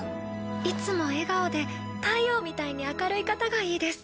いつも笑顔で太陽みたいに明るい方がいいです。